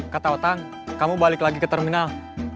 kata otang kamu balik lagi ke terminal